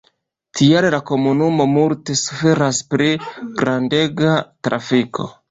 Tial la komunumo multe suferas pri grandega trafiko.